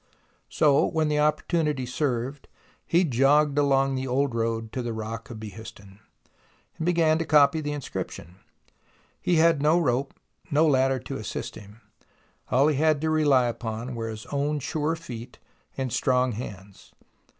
So, when opportunity served, he jogged along the old road to the rock of Behistun, and began to copy the inscription. He had no rope, no ladder to assist him. All he had to rely upon were his own sure feet and strong hands.